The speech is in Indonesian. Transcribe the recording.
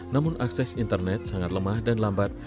namun akses internet sangat lemah dan lambat